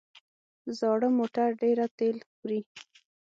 زاړه موټر ډېره تېل خوري.